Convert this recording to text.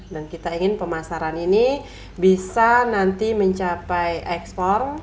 dan kita ingin pemasaran ini bisa nanti mencapai x form